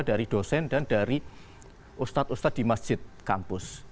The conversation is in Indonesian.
dari dosen dan dari ustadz ustadz di masjid kampus